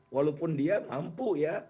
walaupun dia mampu ya